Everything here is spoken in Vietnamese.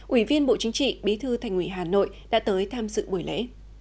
ủy viên bộ chính trị bí thư thành ủy hà nội đã tới tham dự buổi lễ